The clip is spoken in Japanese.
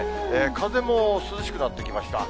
風も涼しくなってきました。